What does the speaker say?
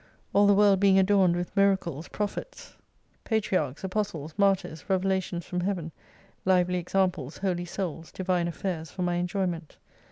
All the world being adorned with miracles, prophets, i8s patriarchs, apostles, martyrs, revelations from Heaven, lively examples, holy Souls, divine affairs for my enjoyment.